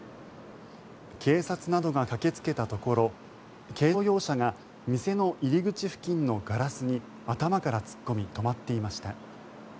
警察などが駆けつけたところ軽乗用車が店の入り口付近のガラスに頭から突っ込み止まっていました。